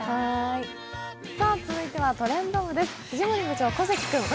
さあ続いては「トレンド部」です。